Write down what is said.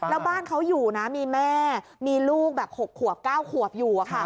แล้วบ้านเขาอยู่นะมีแม่มีลูกแบบ๖ขวบ๙ขวบอยู่